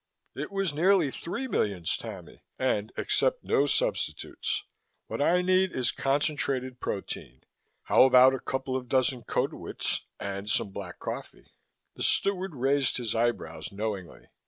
"It was nearly three millions, Tammy, and accept no substitutes. What I need is concentrated protein. How about a couple of dozen Cotuits and some black coffee?" The steward raised his eyebrows knowingly.